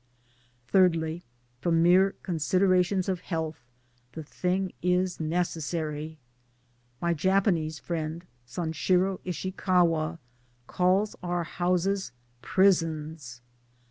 Thirdly, from mere considerations of health the thing is necessary. My Japanese friend, Sanshiro Ishikawa, calls our houses prisons.